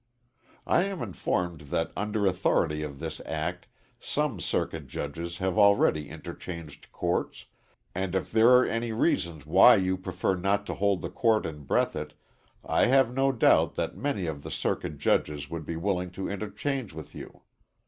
I am informed that under authority of this act, some circuit judges have already interchanged courts, and if there are any reasons why you prefer not to hold the court in Breathitt, I have no doubt that many of the circuit judges would be willing to interchange with you.